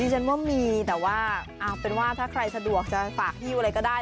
ฉันว่ามีแต่ว่าเอาเป็นว่าถ้าใครสะดวกจะฝากฮิ้วอะไรก็ได้